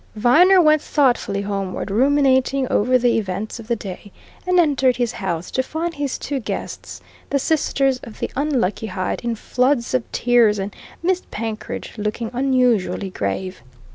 Viner went thoughtfully homeward, ruminating over the events of the day, and entered his house to find his two guests, the sisters of the unlucky Hyde, in floods of tears, and Miss Penkridge looking unusually grave.